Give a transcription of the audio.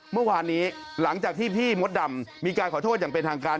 เมื่อวานนี้หลังจากที่พี่มดดำมีการขอโทษอย่างเป็นทางการ